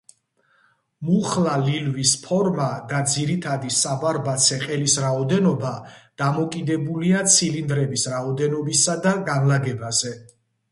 მუხლა ლილვის ფორმა და ძირითადი საბარბაცე ყელის რაოდენობა დამოკიდებულია ცილინდრების რაოდენობისა და განლაგებაზე.